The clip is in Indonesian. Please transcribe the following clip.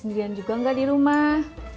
sendirian juga nggak di rumah